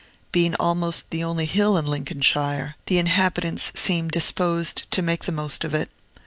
Being almost the only hill in Lincolnshire, the inhabitants seem disposed to make the most of it.